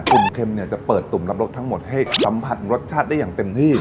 ุ่มเค็มเนี่ยจะเปิดตุ่มรับรสทั้งหมดให้สัมผัสรสชาติได้อย่างเต็มที่